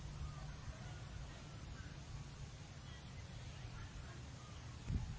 สวัสดีครับ